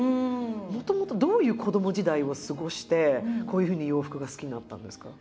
もともとどういう子ども時代を過ごしてこういうふうに洋服が好きになったんですか？